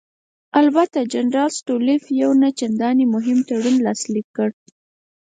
البته جنرال ستولیتوف یو نه چندانې مهم تړون لاسلیک کړ.